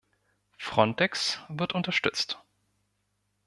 Frontex wird unterstützt.